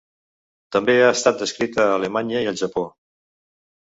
També ha estat descrita a Alemanya i el Japó.